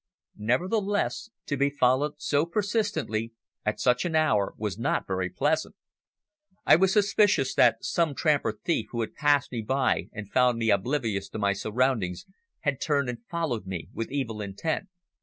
Nevertheless, to be followed so persistently at such an hour was not very pleasant. I was suspicious that some tramp or thief who had passed me by and found me oblivious to my surroundings had turned and followed me with evil intent.